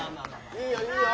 いいよいいよ